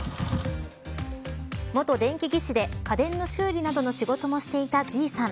元電気技師で家電の修理などの仕事もしていたＧ３。